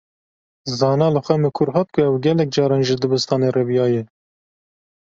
Zana li xwe mikur hat ku ew gelek caran ji dibistanê reviyaye.